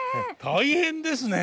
大変ですね。